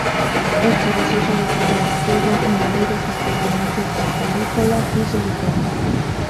El perezoso de collar lleva una vida completamente arborícola y solitaria.